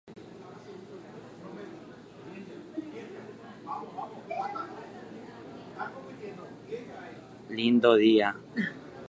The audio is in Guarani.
araka’épiko ko’ã mba’e oiko